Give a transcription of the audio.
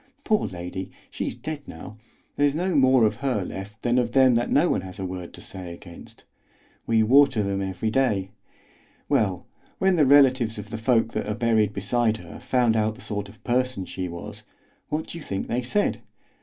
Poor lady, she's dead now; there's no more of her left than of them that no one has a word to say against. We water them every day. Well, when the relatives of the folk that are buried beside her found out the sort of person she was, what do you think they said?